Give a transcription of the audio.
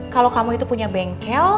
kalau kamu itu punya bengkel